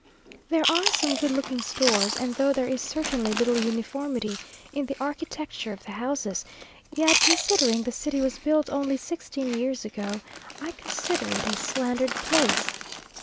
There are some good looking stores; and though there is certainly little uniformity in the architecture of the houses, yet considering the city was built only sixteen years ago, I consider it a slandered place.